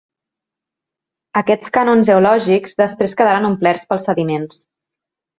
Aquests canons geològics després quedaren omplerts pels sediments.